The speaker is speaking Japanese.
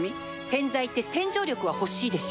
洗剤って洗浄力は欲しいでしょ